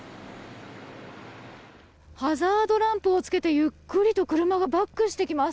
ハザードランプをつけてゆっくりと車がバックしていきます。